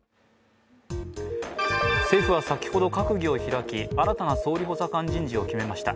政府は先ほど、閣議を開き、新たな総理補佐官人事を決めました。